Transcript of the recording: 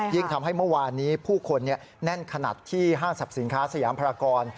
ทำให้เมื่อวานนี้ผู้คนแน่นขนาดที่ห้างสรรพสินค้าสยามพรากร